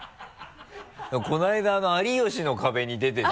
このあいだ「有吉の壁」に出てて。